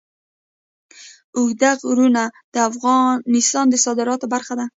اوږده غرونه د افغانستان د صادراتو برخه ده.